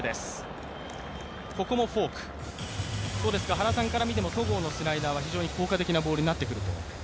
原さんから見ても、戸郷のスライダーは非常に効果的になってくると。